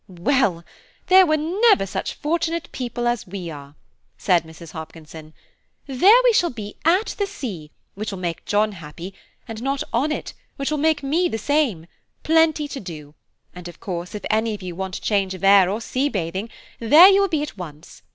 "Well! there never were such fortunate people as we are," said Mrs. Hopkinson. "There we shall be at the sea, which will make John happy, and not on it, which will make me the same–plenty to do, and of course, if any of you want change of air or sea bathing, there you will be at once!